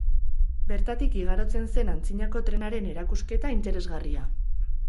Bertatik igarotzen zen antzinako trenaren erakusketa interesgarria.